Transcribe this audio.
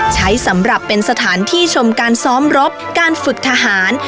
ใช้สำหรับเป็นสถานที่ชมการซ้อมรบการฝึกทหาร